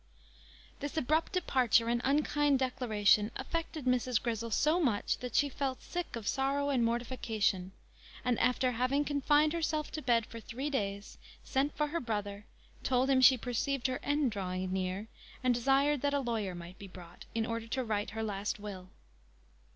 This abrupt departure and unkind declaration affected Mrs. Grizzle so much, that she fell sick of sorrow and mortification; and after having confined herself to her bed for three days, sent for her brother, told him she perceived her end drawing near, and desired that a lawyer might be brought, in order to write her last will.